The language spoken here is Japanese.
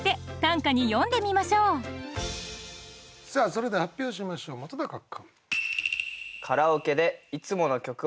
それでは発表しましょう本君。